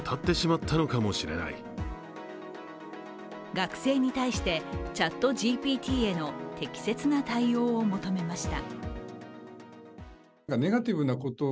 学生に対してＣｈａｔＧＰＴへの適切な対応を求めました。